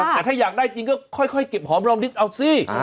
แต่ถ้าอยากได้จริงก็ค่อยเก็บหอมลองนิดเอาสิ